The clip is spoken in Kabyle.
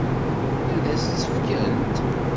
Ad s-tt-fkent?